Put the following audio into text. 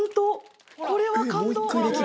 これは感動。